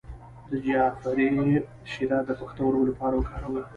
د جعفری شیره د پښتورګو لپاره وکاروئ